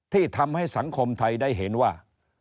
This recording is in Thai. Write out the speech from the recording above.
ที่ทำให้สังคมไทยได้เห็นว่า